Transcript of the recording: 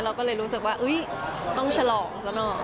เราก็เลยรู้สึกว่าต้องฉลองซะหน่อย